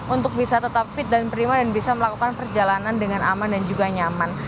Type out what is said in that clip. untuk bisa tetap fit dan prima dan bisa melakukan perjalanan dengan aman dan juga nyaman